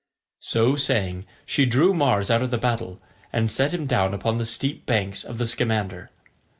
So saying, she drew Mars out of the battle, and set him down upon the steep banks of the Scamander.